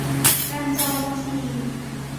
การจองวัคซีน